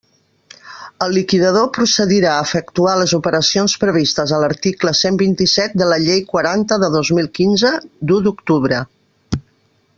El liquidador procedirà a efectuar les operacions previstes a l'article cent vint-i-set de la Llei quaranta de dos mil quinze, d'u d'octubre.